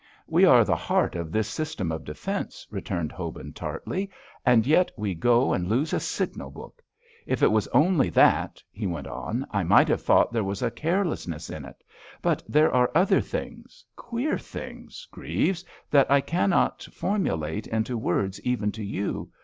"We are the heart of this system of defence," returned Hobin tartly, "and yet we go and lose a signal book. If it was only that," he went on, "I might have thought there was carelessness in it, but there are other things, queer things, Grieves, that I cannot formulate into words even to you.